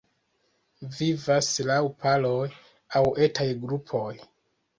Vivas laŭ paroj aŭ etaj grupoj.